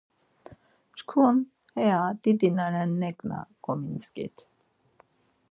Çkin iya didi na ren neǩna gomintzǩit.